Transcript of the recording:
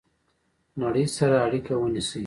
نړۍ سره اړیکه ونیسئ